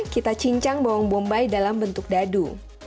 kita cincang bawang bombay dalam bentuk dadu